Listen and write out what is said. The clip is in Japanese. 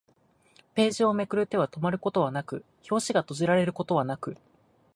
ページをめくる手は止まることはなく、表紙が閉じられることはなく